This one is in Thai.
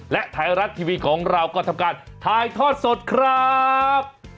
และไทยรัฐทีวีของเราก็ทำการถ่ายทอดสดครับ